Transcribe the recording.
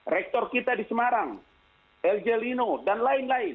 rektor kita di semarang el jelino dan lain lain